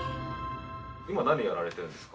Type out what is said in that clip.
今何やられてるんですか？